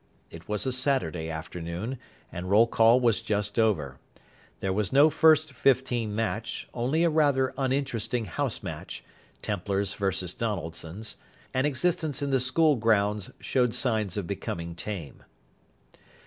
It was a Saturday afternoon, and roll call was just over. There was no first fifteen match, only a rather uninteresting house match, Templar's versus Donaldson's, and existence in the school grounds showed signs of becoming tame.